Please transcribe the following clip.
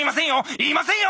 言いませんよ！